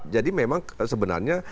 jadi memang sebenarnya